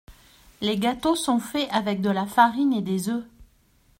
Les gâteaux sont faits avec de la farine et des œufs.